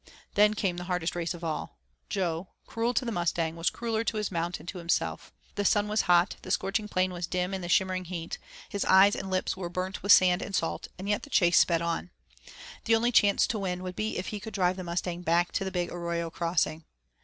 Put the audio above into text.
Then came the hardest race of all; Jo, cruel to the Mustang, was crueller to his mount and to himself. The sun was hot, the scorching plain was dim in shimmering heat, his eyes and lips were burnt with sand and salt, and yet the chase sped on. The only chance to win would be if he could drive the Mustang back to the Big Arroyo Crossing.